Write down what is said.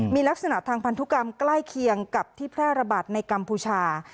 มีลักษณะทางพันธุกรรมใกล้เคียงกับที่แพร่ระบาดในกัมพูชา